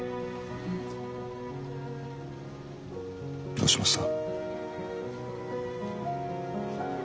どうしました？